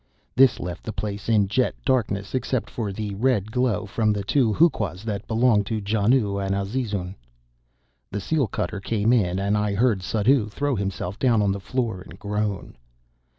This left the place in jet darkness, except for the red glow from the two huqas that belonged to Janoo and Azizun. The seal cutter came in, and I heard Suddhoo throw himself down on the floor and groan.